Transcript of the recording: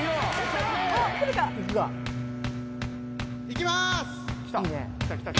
いきまーす！